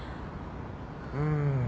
うん。